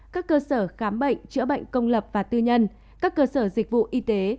các cơ sở khám bệnh chữa bệnh công lập và tư nhân các cơ sở dịch vụ y tế